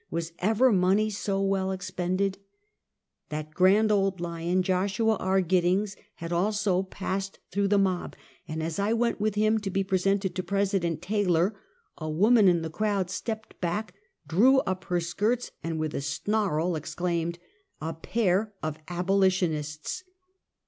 Was ever money so well expended ? That grand old lion, Joshua R. Giddings, had also passed through the mob, and as I went with him to be presented to President Taylor, a woman in the crowd stepped back, drew away her skirts, and with a snarl exclaimed, " A pair of abolitionists!